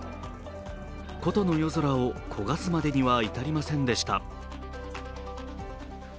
古都の夜空を焦がすまでには至りませんでした。